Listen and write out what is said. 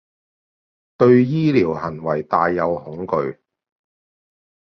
對醫療行為帶有恐懼